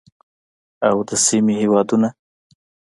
او د سیمې هیوادونه